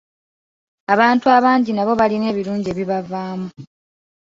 Abantu abangi nabo balina ebirungi ebibavaamu.